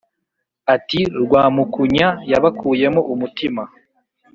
Ati: "Rwamukunya yabakuyemo umutima,